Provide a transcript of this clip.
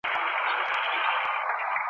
زیړ زبېښلی هم له وهمه رېږدېدلی ,